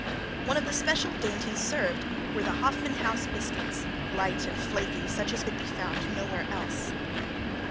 One of the special dainties served were the Hoffman House biscuits, light and flaky, such as could be found nowhere else.